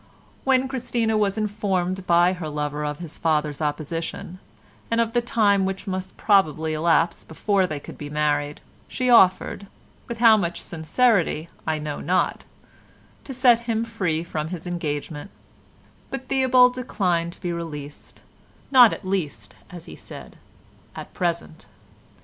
When Christina was informed by her lover of his father's opposition, and of the time which must probably elapse before they could be married, she offered—with how much sincerity I know not—to set him free from his engagement; but Theobald declined to be released—"not at least," as he said, "at present."